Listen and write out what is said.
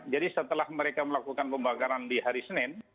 jadi setelah mereka melakukan pembakaran di hari senin